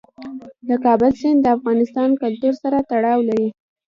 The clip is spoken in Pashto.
د کابل سیند د افغان کلتور سره تړاو لري.